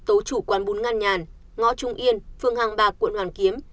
tố chủ quán bún ngăn nhàn ngõ trung yên phường hàng bạc quận hoàn kiếm